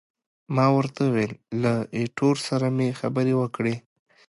ما ورته وویل، له ایټور سره مې خبرې وکړې.